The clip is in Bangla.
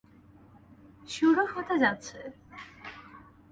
শুরু হতে যাচ্ছে।